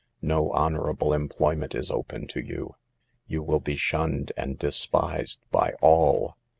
No honorable employment is open to you. You will be shunned and despised by all.